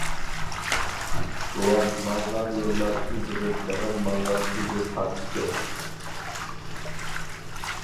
بوۋام ماڭغان يوللار ئىزىدىن دادام ماڭغان ئېگىز تاققىچە.